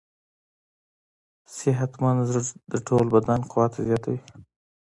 صحتمند زړه د ټول بدن قوت زیاتوي.